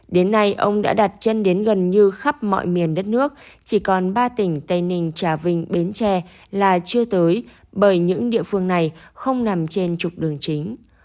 đến nay ông đã đặt chân đến gần như khắp mọi miền đất nước chỉ còn ba tỉnh tây ninh trà vinh bến tre là chưa tới bởi những địa phương này không nằm trên trục đường chính